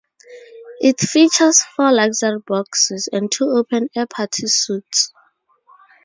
It features four luxury boxes and two open-air party suites.